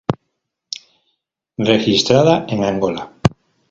Registrada en Angola.